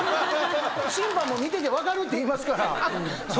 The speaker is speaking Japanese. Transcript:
審判も見てて分かるっていいますから。